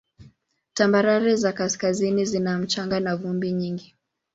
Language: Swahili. Tambarare za kaskazini zina mchanga na vumbi nyingi.